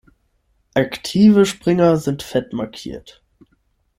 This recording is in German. Aktive Springer sind fett markiert.